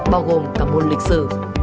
bao gồm cả môn lịch sử